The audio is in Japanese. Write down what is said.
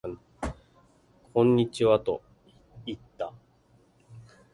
こんにちはと言った